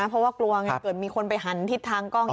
เพราะว่ากลัวไงเกิดมีคนไปหันทิศทางกล้อง